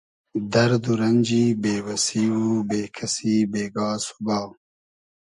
دئرد و رئنجی بې وئسی و بې کئسی بېگا سوبا